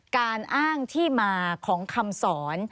การอ้างที่มาของคำสอน